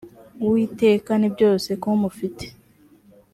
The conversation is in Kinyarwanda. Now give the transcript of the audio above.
uwiteka nibyose kumufite.